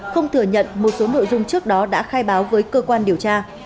không thừa nhận một số nội dung trước đó đã khai báo với cơ quan điều tra